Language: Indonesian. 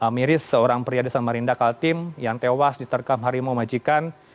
miris seorang pria di samarinda kaltim yang tewas diterkam harimau majikan